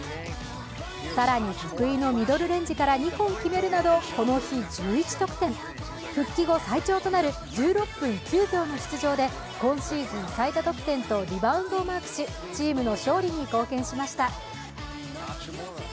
更に得意のミドルレンジから２本決めるなど復帰後最長となる１６分９秒の出場で今シーズン最多得点とリバウンドをマークし、チームの勝利に貢献しました。